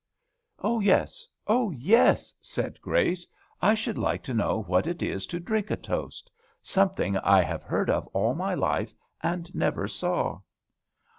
"Oh, yes! oh, yes!" said Grace. "I should like to know what it is to drink a toast. Something I have heard of all my life, and never saw."